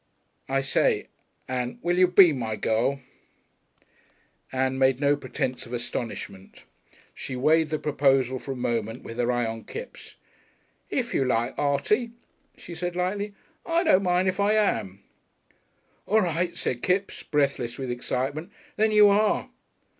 I say, Ann: will you be my girl?" Ann made no pretence of astonishment. She weighed the proposal for a moment with her eyes on Kipps. "If you like, Artie," she said lightly. "I don't mind if I am." "All right," said Kipps, breathless with excitement, "then you are."